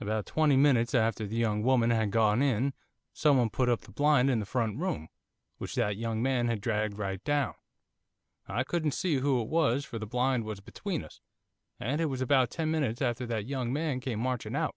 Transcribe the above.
About twenty minutes after the young woman had gone in someone put up the blind in the front room, which that young man had dragged right down, I couldn't see who it was for the blind was between us, and it was about ten minutes after that that young man came marching out.